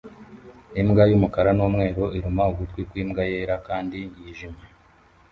Imbwa yumukara numweru iruma ugutwi kwimbwa yera kandi yijimye